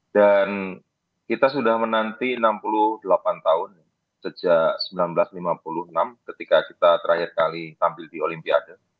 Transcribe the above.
dan kita sudah menanti enam puluh delapan tahun sejak seribu sembilan ratus lima puluh enam ketika kita terakhir kali tampil di olimpiade